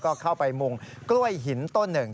ก็เข้าไปมุงกล้วยหินต้นหนึ่ง